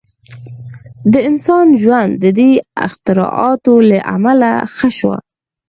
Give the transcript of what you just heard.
• د انسان ژوند د دې اختراعاتو له امله ښه شو.